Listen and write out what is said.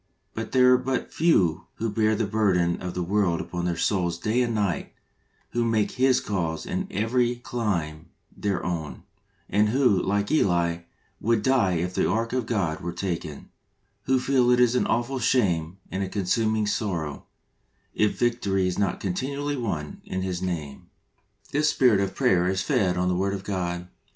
But there are but few who bear the burden of the world upon their souls day and night, who make His cause in every clime their very own, and who, like Eli, would die if the ark of God were taken ; who feel it an awful shame and a consuming sorrow, if victory is not continually won in His name. 6o HEART TALKS ON HOLINESS. This spirit of prayer is fed on the Word of God.